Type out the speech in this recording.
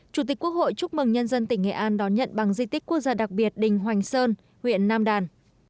chủ tịch quốc hội chúc mừng nhân dân tỉnh nghệ an đón nhận bằng di tích quốc gia đặc biệt đình hoành sơn huyện nam đàn